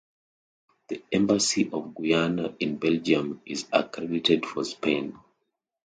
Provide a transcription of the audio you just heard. The embassy of Guyana in Belgium is accredited for Spain.